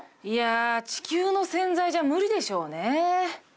いや地球の洗剤じゃ無理でしょうねー。